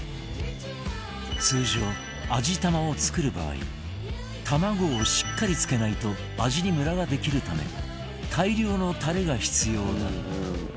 通常味玉を作る場合卵をしっかり漬けないと味にムラができるため大量のタレが必要だが